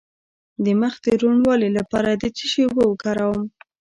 د مخ د روڼوالي لپاره د څه شي اوبه وکاروم؟